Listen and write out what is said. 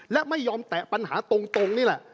และไม่ยอมแตะปัญหาตรงนี่แหละ